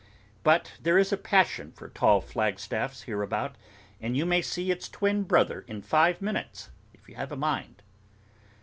But there is a passion for tall flagstaffs hereabout, and you may see its twin brother in five minutes, if you have a mind.